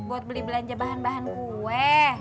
buat beli belanja bahan bahan kue